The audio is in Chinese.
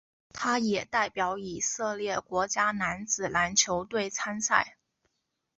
他也代表以色列国家男子篮球队参赛。